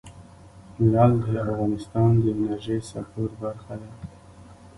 لعل د افغانستان د انرژۍ سکتور برخه ده.